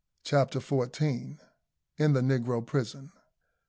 CHAPTER FOURTEEN. IN THE NEGRO PRISON.